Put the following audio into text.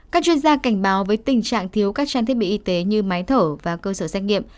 các chuyên gia cảnh báo với tình trạng thiếu các trang thiết bị y tế như máy thở và cơ sở xét nghiệm